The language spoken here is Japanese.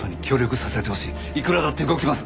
いくらだって動きます。